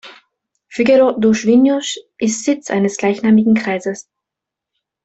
Figueiró dos Vinhos ist Sitz eines gleichnamigen Kreises.